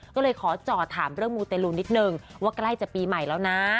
ก็เลยขอจ่อถามเรื่องมูเตลูนิดนึงว่าใกล้จะปีใหม่แล้วนะ